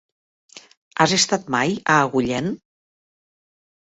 Has estat mai a Agullent?